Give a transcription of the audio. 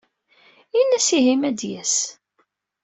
Ini-yas ihi ma ad d-yas.